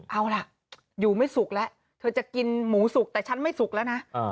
เอาล่ะอยู่ไม่สุกแล้วเธอจะกินหมูสุกแต่ฉันไม่สุกแล้วนะ